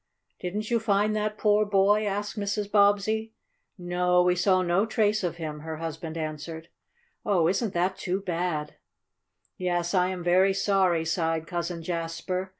"Didn't you find that poor boy?" asked Mrs. Bobbsey. "No, we saw no trace of him," her husband answered. "Oh, isn't that too bad?" "Yes, I am very sorry," sighed Cousin Jasper.